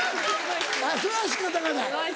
それは仕方がない。